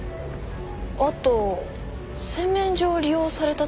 あと洗面所を利用された時に。